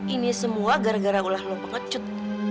ini semua gara gara ulah lom pengecut